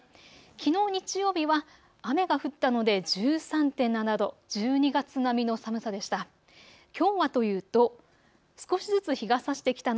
きのう日曜日は雨が降ったので１３．７度、１２月並みの寒さでした。